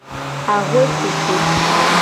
Axwe tutu.